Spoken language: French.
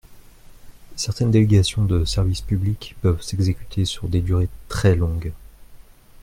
Certaines délégations de service public peuvent s’exécuter sur des durées très longues.